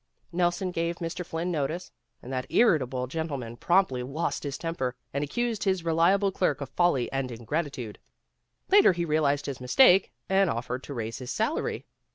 Nelson gave Mr. Flynn notice, and that irritable gentleman promptly lost his temper, and accused his reliable clerk of folly and ingratitude. Later he realized his mistake, and offered to raise his salary.